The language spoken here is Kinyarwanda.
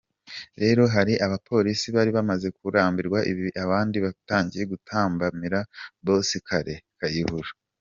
Rero hari abapolisi bari bamaze kurambirwa ibi abandi batangiye gutambamira Boss Kale Kayihura.